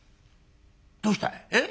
『どうしたい？え？